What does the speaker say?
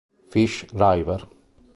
Fish River